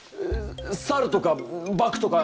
サルとかバクとか